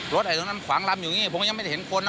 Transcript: ไอ้ตรงนั้นขวางลำอยู่อย่างนี้ผมก็ยังไม่ได้เห็นคนนะ